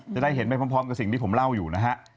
จะได้เห็นไปพร้อมกับสิ่งที่ผมเล่าอยู่นะฮะ